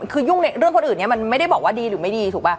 คือยุ่งในเรื่องคนอื่นนี้มันไม่ได้บอกว่าดีหรือไม่ดีถูกป่